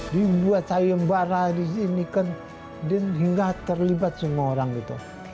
dibuat sayembara disini kan hingga terlibat semua orang gitu